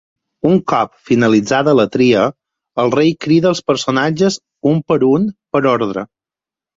Un cop finalitzada la tria, el rei crida als personatges un a un per ordre.